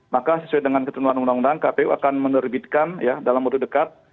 maka sesuai dengan ketentuan undang undang kpu akan menerbitkan ya dalam waktu dekat